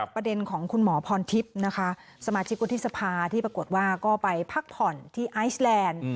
ประเด็นของคุณหมอพรทิพย์นะคะสมาชิกวุฒิสภาที่ปรากฏว่าก็ไปพักผ่อนที่ไอซ์แลนด์